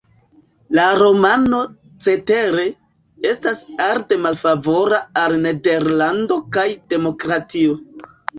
La romano, cetere, estas arde malfavora al Nederlando kaj demokratio.